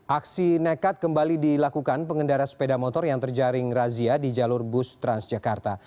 aksi nekat kembali dilakukan pengendara sepeda motor yang terjaring razia di jalur bus transjakarta